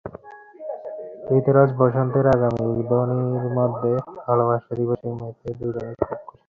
ঋতুরাজ বসন্তের আগমনী ধ্বনির মধ্যে ভালোবাসা দিবসে মেতে দুজনই খুব খুশি।